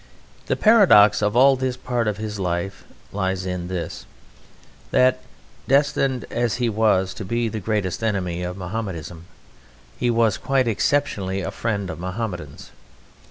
The paradox of all this part of his life lies in this that, destined as he was to be the greatest enemy of Mahomedanism, he was quite exceptionally a friend of Mahomedans.